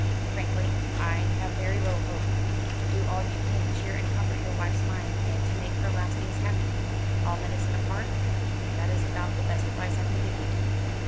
Frankly, I have very little hope. Do all you can to cheer and comfort your wife's mind, and to make her last days happy. All medicine apart, that is about the best advice I can give you."